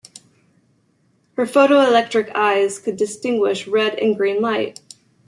His photoelectric "eyes" could distinguish red and green light.